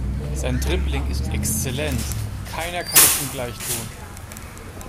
Sein Dribbling ist exzellent, keiner kann es ihm gleich tun.